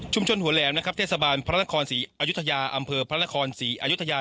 ชุมชนหัวแหลมนะครับเทศบาลพระราคอนศรีอุทยาอำเภอพระราคอนศรีอุทยา